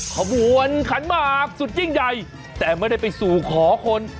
ขบวนขันหมากสุดยิ่งใหญ่แต่ไม่ได้ไปสู่ขอคน